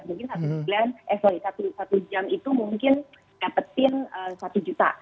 mungkin satu jam itu mungkin dapetin satu juta